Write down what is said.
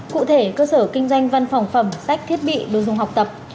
cụ thể cơ sở kinh doanh văn phòng phẩm sách thiết bị đồ dùng học tập